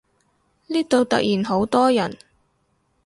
呢度突然好多人